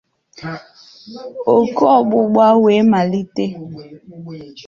ọkụ ọgbụgba wee malite.